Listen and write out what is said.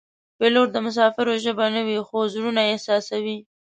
پیلوټ د مسافرو ژبه نه وي خو زړونه یې احساسوي.